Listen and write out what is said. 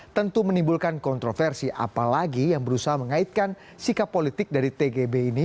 tentu menimbulkan kontroversi apalagi yang berusaha mengaitkan sikap politik dari tgb ini